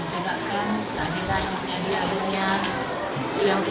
tak ada lagi yang bisa diaduknya